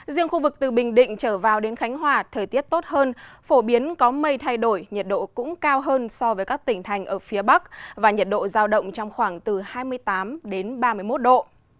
riêng khu vực từ bình định trở vào đến khánh hòa thời tiết tốt hơn phổ biến có mây thay đổi nhiệt độ cũng cao hơn so với các tỉnh thành ở phía bắc và nhiệt độ giao động trong khoảng từ hai mươi tám đến ba mươi một độ